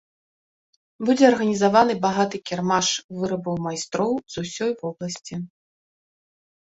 Будзе арганізаваны багаты кірмаш вырабаў майстроў з усёй вобласці.